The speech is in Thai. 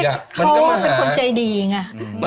เขาว่าเป็นคนใจดีอย่างน่ะ